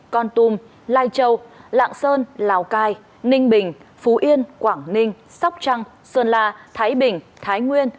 con tum lai châu lạng sơn lào cai ninh bình phú yên quảng ninh sóc trăng sơn la thái bình thái nguyên